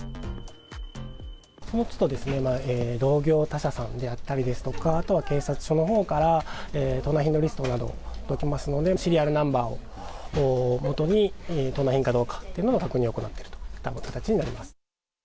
そのつどですね、同業他社さんであったりですとか、あとは警察署のほうから、盗難品のリストなど届きますので、シリアルナンバーをもとに、盗難品かどうかというものを、確認を行ってるといった形になります。